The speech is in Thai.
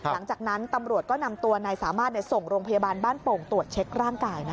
หลังจากนั้นตำรวจก็นำตัวนายสามารถส่งโรงพยาบาลบ้านโป่งตรวจเช็คร่างกาย